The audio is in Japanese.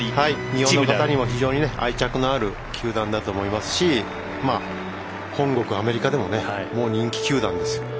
日本の方にも非常に愛着のある球団だと思いますし本国・アメリカでも人気球団ですよ。